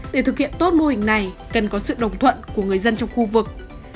để thực hiện tốt mô hình này cần có sự đồng thuận của người dân trong khu vực